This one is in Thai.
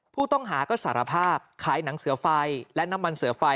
ผู้ต้องหาก็สารภาพขายหนังเสือไฟและน้ำมันเสือไฟ